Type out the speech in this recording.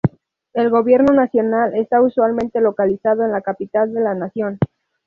El gobierno nacional está usualmente localizado en la capital de la nación.